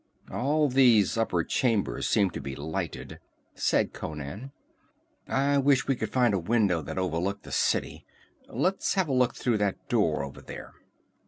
"All these upper chambers seem to be lighted," said Conan. "I wish we could find a window that overlooked the city. Let's have a look through that door over there."